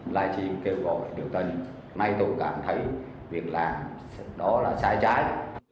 live stream kêu gọi điều tình nay tôi cảm thấy việc làm đó là sai trái